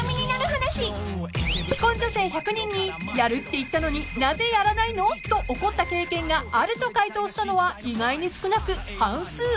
［既婚女性１００人に「やるって言ったのになぜやらないの？」と怒った経験があると回答したのは意外に少なく半数］